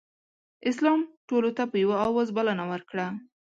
اسلام ټولو ته په یوه اواز بلنه ورکړه.